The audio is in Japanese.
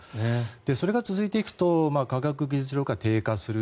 それが続いていくと科学技術力が低下する。